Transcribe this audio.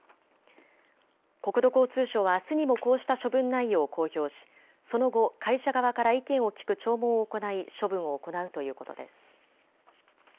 国土交通省はあすにもこうした処分内容を公表しその後、会社側から意見を聞く聴聞を行い処分を行うということです。